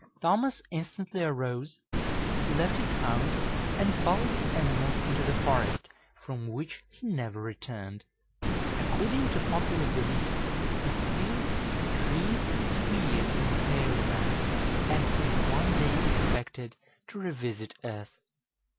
Thomas instantly arose, left his house, and followed the animals into the forest, from which he never returned. According to popular belief, he still "drees his weird" in Fairy Land, and is one day expected to revisit earth.